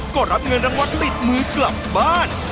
ก็รับเงินรางวัลติดมือกลับบ้าน